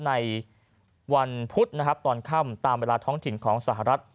ในวันพุธนะครับตอนค่ำตามเวลาท้องถิ่นของสหรัฐ